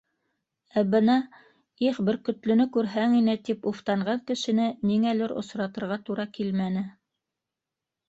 Ә бына: «Их, Бөркөтлөнө күрһәң ине!» - тип уфтанған кешене ниңәлер осратырға тура килмәне.